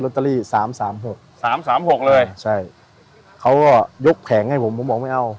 เตอรี่สามสามหกสามสามหกเลยใช่เขาก็ยกแผงให้ผมผมบอกไม่เอา